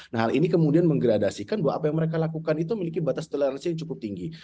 nah hal ini kemudian menggradasikan bahwa apa yang mereka lakukan itu memiliki batas toleransi yang cukup tinggi